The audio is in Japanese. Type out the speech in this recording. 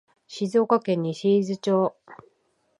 静岡県西伊豆町